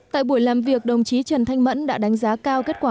tại buổi làm việc đồng chí trần thanh mẫn đã đánh giá cao kết quả